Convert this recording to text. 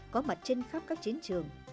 có mặt trên khắp các chiến trường